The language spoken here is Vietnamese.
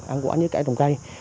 ăn quả nhớ cải trồng cây